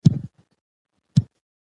که ثبوت وي نو شک نه پیدا کیږي.